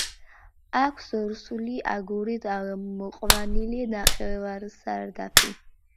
აქვს „რუსული“ აგურით ამოყვანილი ნახევარსარდაფი.